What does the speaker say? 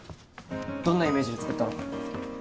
どんなイメージで作ったの？